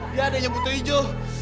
dia adiknya buto ijo